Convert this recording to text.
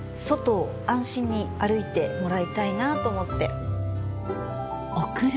外を安心に歩いてもらいたいなと思って。